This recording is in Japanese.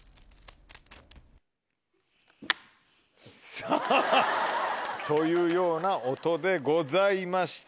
さぁというような音でございました。